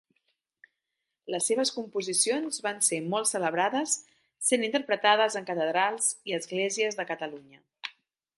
Les seves composicions van ser molt celebrades sent interpretades en catedrals i esglésies de Catalunya.